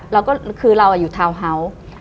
แล้วก็คือเราอยู่ทาวน์เฮาส์